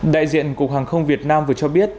đại diện cục hàng không việt nam vừa cho biết